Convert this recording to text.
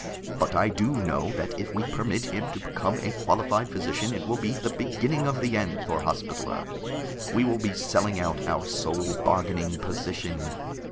But I do know that if we permit him to become a qualified physician, it will be the beginning of the end for Hospital Earth. We will be selling out our sole bargaining position.